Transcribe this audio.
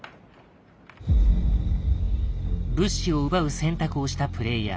物資を奪う選択をしたプレイヤー。